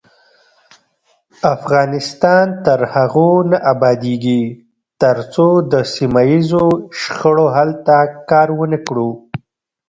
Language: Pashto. افغانستان تر هغو نه ابادیږي، ترڅو د سیمه ییزو شخړو حل ته کار ونکړو.